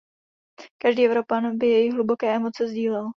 Každý Evropan by jejich hluboké emoce sdílel.